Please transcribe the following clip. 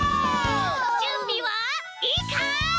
じゅんびはいいかい？